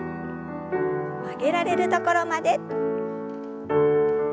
曲げられるところまで。